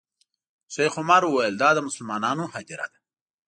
شیخ عمر وویل دا د مسلمانانو هدیره ده.